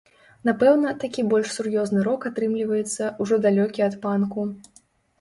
Напэўна, такі больш сур'ёзны рок атрымліваецца, ужо далёкі ад панку.